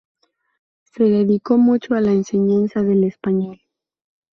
Se dedicó mucho a la enseñanza del español.